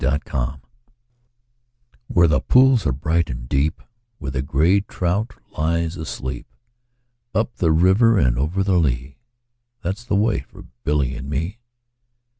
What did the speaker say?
A Boy's Song WHERE the pools are bright and deep, Where the grey trout lies asleep, Up the river and over the lea, That 's the way for Billy and me.